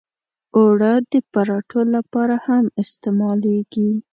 اوړه د پراتو لپاره هم استعمالېږي